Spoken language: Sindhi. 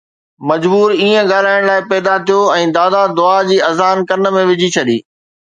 مجبور، ائين ڳالهائڻ لاءِ، پيدا ٿيو ۽ دادا دعا جي اذان ڪن ۾ وجهي ڇڏي